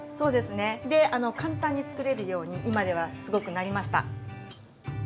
簡単につくれるように今ではすごくなりました。